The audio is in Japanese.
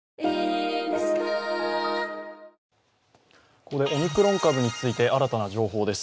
ここでオミクロン株について新たな情報です。